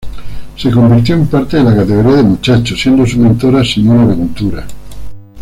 Se convirtió en parte de la categoría de muchachos siendo su mentora, Simona Ventura.